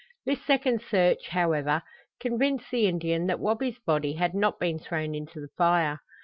This second search, however, convinced the Indian that Wabi's body had not been thrown into the fire.